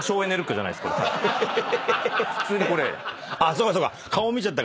そうかそうか。